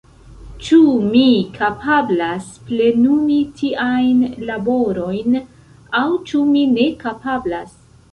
Ĉu mi kapablas plenumi tiajn laborojn aŭ ĉu mi ne kapablas?